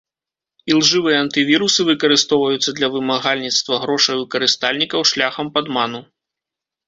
Ілжывыя антывірусы выкарыстоўваюцца для вымагальніцтва грошай у карыстальнікаў шляхам падману.